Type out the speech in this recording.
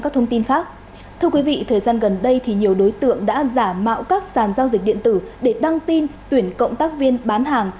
thưa quý vị thời gian gần đây thì nhiều đối tượng đã giả mạo các sàn giao dịch điện tử để đăng tin tuyển cộng tác viên bán hàng